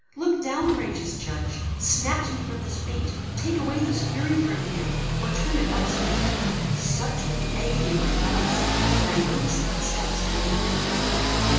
Look down, righteous Judge! snatch me from this fate! take away this fury from him, or turn it elsewhere!" Such was the agony of my thoughts, that I noticed not steps entering my apartment.